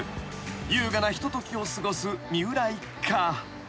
［優雅なひとときを過ごす三浦一家］